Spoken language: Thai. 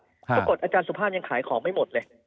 ปรากฏอาจารย์สุภาพยังขายของไม่หมดเลย